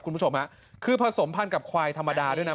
คุณผู้ชมฮะคือผสมพันธ์กับควายธรรมดาด้วยนะ